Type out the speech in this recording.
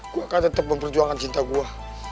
kau akan tetap memperjuangkan cinta gua